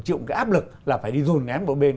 chịu một cái áp lực là phải đi dùn ngán bộ bên